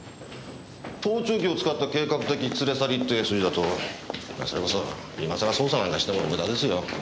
盗聴器を使った計画的連れ去りって筋だとそれこそ今さら捜査なんかしても無駄ですよ。